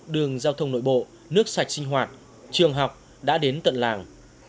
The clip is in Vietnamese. đường giao thông nội bộ nước sạch sinh hoạt trường học đã đến tận làng